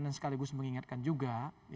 dan sekaligus mengingatkan juga